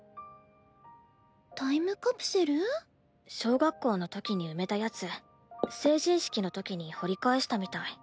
タイムカプセル？小学校のときに埋めたやつ成人式のときに掘り返したみたい。